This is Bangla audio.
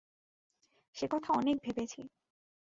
সে কথা অনেক ভেবেছি।